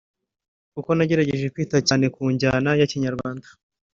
kuko nagerageje kwita cyane ku njyana ya Kinyarwanda